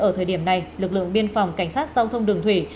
ở thời điểm này lực lượng biên phòng cảnh sát giao thông đường thủy